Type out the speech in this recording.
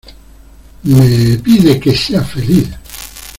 me... pide que sea feliz .